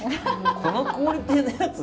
このクオリティーのやつを。